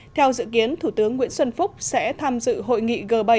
theo dự kiến thủ tướng nguyễn xuân phúc sẽ tham dự hội nghị g bảy